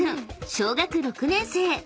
小学６年生］